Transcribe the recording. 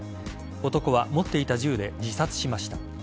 男は持っていた銃で自殺しました。